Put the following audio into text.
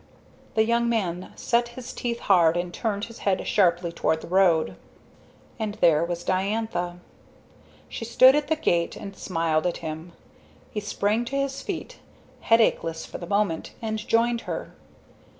The young man set his teeth hard and turned his head sharply toward the road. And there was Diantha. She stood at the gate and smiled at him. He sprang to his feet, headacheless for the moment, and joined her.